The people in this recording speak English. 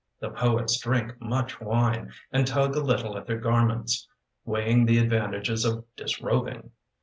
The poets drink much wine And tug a little at their garments, Weighing the advantages of disrobing.